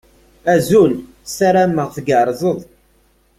Azul. Sarameɣ tgerrzeḍ.